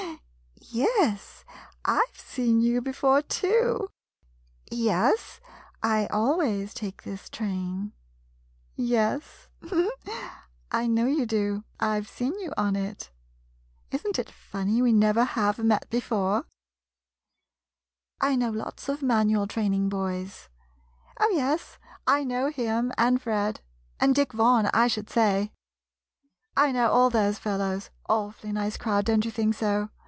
Yes, I've seen you before, too ! Yes, I always take this train. Yes, I know you do — I 've seen you on it ! Is n't it funny we never have met before? I know lots of Manual Train ing boys. Oh, yes, I know him, and Fred, and Dick Vaughan, I should say. I know all those fellows — awfully nice crowd, don't you think so?